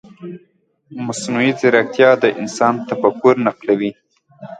مصنوعي ځیرکتیا د انسان تفکر نقلوي.